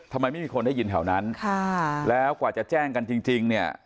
ทำไมไม่มีคนได้ยินแถวนั้นค่ะแล้วกว่าจะแจ้งกันจริงเนี่ย